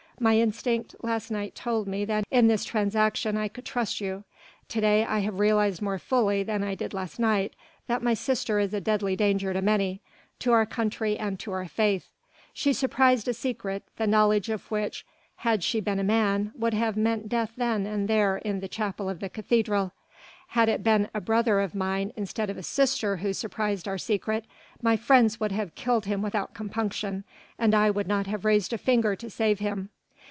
My instinct last night told me that in this transaction I could trust you. To day I have realized more fully than I did last night that my sister is a deadly danger to many, to our country and to our Faith. She surprised a secret, the knowledge of which had she been a man would have meant death then and there in the chapel of the cathedral. Had it been a brother of mine instead of a sister who surprised our secret, my friends would have killed him without compunction and I would not have raised a finger to save him.